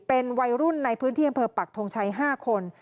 เป็นวัยรุ่นในพื้นที่อำเภอปักทงชัย๕คน